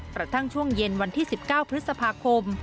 กระทั่งช่วงเย็นวันที่๑๙พฤษภาคม